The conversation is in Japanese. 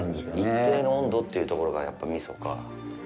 一定の温度というところがやっぱみそか。